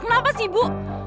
kenapa sih ibu